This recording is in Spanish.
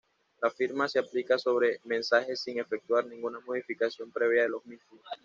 La firma se aplica sobre mensajes sin efectuar ninguna modificación previa de los mismos.